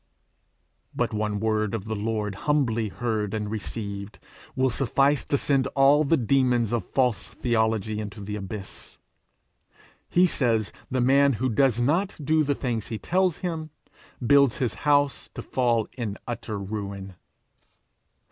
But one word of the Lord humbly heard and received will suffice to send all the demons of false theology into the abyss. He says the man that does not do the things he tells him, builds his house to fall in utter ruin.